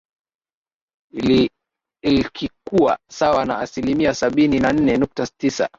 Ilkikuwa sawa na asilimia Sabini na nne nukta tisa